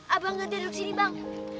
abang gantiin duduk sini bang